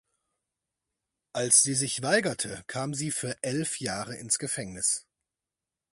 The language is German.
Als sie sich weigerte kam sie für elf Jahre ins Gefängnis.